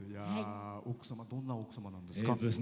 奥様、どんな奥様なんですか？